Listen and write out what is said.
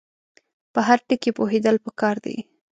په هر ټکي پوهېدل پکار دي.